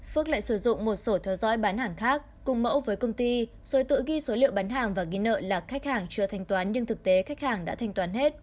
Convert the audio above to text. phước lại sử dụng một sổ theo dõi bán hàng khác cùng mẫu với công ty rồi tự ghi số liệu bán hàng và ghi nợ là khách hàng chưa thanh toán nhưng thực tế khách hàng đã thanh toán hết